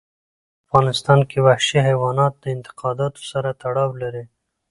په افغانستان کې وحشي حیوانات د اعتقاداتو سره تړاو لري.